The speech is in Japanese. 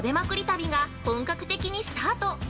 旅が本格的にスタート。